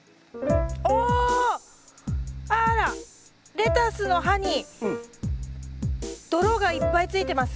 レタスの葉に泥がいっぱいついてます。